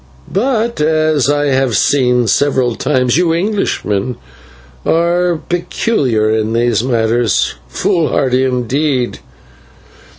But as I have seen several times, you Englishmen are peculiar in these matters, foolhardy indeed.